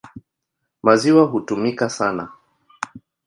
Maziwa hutumika sana.